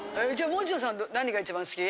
じゃあ餅田さん何が一番好き？